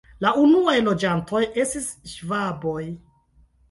La unuaj loĝantoj estis ŝvaboj.